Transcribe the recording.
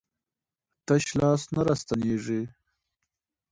تش لاس نه راستنېږي.